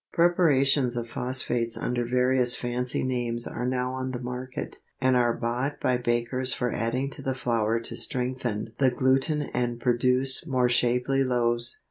Preparations of phosphates under various fancy names are now on the market, and are bought by bakers for adding to the flour to strengthen the gluten and produce more shapely loaves.